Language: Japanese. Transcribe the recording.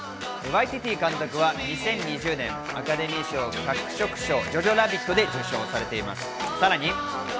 ワイティティ監督は２０２０年アカデミー賞脚色賞『ジョジョ・ラビット』で受賞されています。